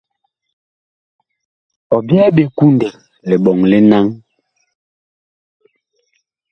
Ɔ byɛɛ ɓe kundɛ liɓɔŋ li naŋ.